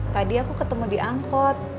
tadi aku ketemu di angkot